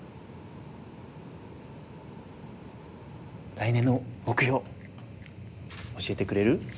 来年の目標教えてくれる？